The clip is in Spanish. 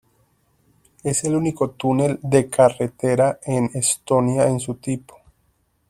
Es el único túnel de carretera en Estonia en su tipo.